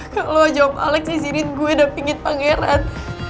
kalo aja om alex izinin gua udah pingin pangeran